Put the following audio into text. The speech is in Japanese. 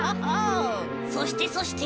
そしてそして。